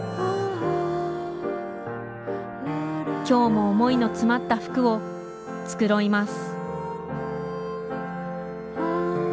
今日も思いの詰まった服を繕います